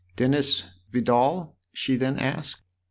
" Dennis Vidal ?" she then asked.